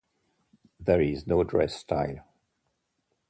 There is no dress style.